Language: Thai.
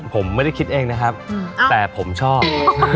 ผมไม่ได้คิดเองนะครับแต่ผมชอบ